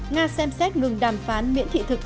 nga xem xét ngừng đàm phán miễn thị thực